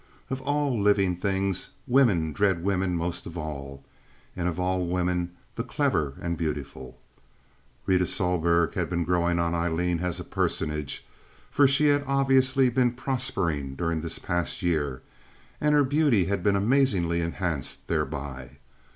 Of all living things, women dread women most of all, and of all women the clever and beautiful. Rita Sohlberg had been growing on Aileen as a personage, for she had obviously been prospering during this past year, and her beauty had been amazingly enhanced thereby.